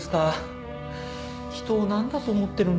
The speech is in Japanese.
人を何だと思ってるんですか。